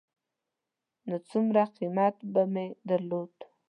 نو څومره قېمت به مې درلود.